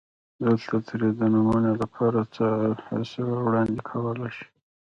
دلته ترې دنمونې دپاره څۀ حصه وړاندې کولی شي